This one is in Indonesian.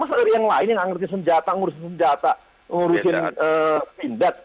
masa dari yang lain yang nggak ngerti senjata ngurusin senjata ngurusin pindad